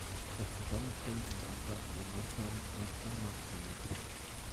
Das Zusammenstellen und Ableiten der Maßnahmen nennt man Marketing-Mix.